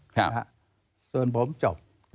ครับส่วนผมจบ